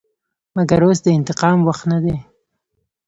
مګر اوس د انتقام وخت نه دى.